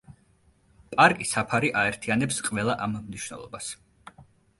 პარკი საფარი აერთიანებს ყველა ამ მნიშვნელობას.